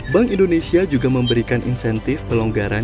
bank indonesia juga memberikan insentif pelonggaran